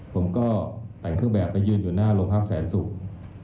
ผมก็แต่งเครื่องแบบไปยืนอยู่หน้าโรงพักแสนศุกร์